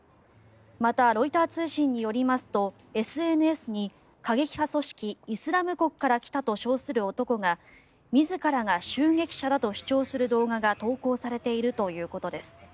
また、ロイター通信によりますとＳＮＳに過激派組織イスラム国から来たと称する男が自らが襲撃者だと主張する動画が投稿されているということです。